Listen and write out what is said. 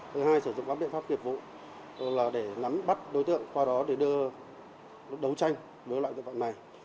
thứ hai sử dụng các biện pháp kiệp vụ là để nắm bắt đối tượng qua đó để đưa đấu tranh với loại vụ này